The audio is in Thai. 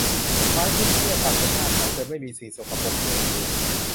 ไม้พุ่มเตี้ยปัดบนหน้าเขาจนไม่มีสิ่งสกปรกเหลืออยู่